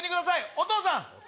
お義父さん。